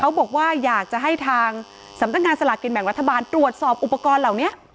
บอกว่าอยากจะให้ทางสำนักงานสลากกินแบ่งรัฐบาลตรวจสอบอุปกรณ์เหล่านี้